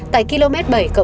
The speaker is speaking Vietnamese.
tại km bảy chín trăm linh